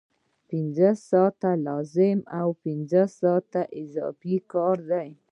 پنځه ساعته لازم او پنځه ساعته اضافي کار دی